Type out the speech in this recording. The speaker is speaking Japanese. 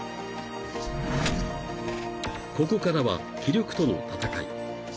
［ここからは気力との闘い］